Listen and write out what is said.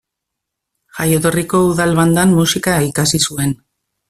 Jaioterriko Udal Bandan musika ikasi zuen.